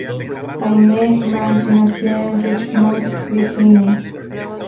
Aimee Mann nació en Richmond, Virginia.